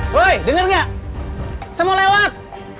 woi denger nggak semua lewat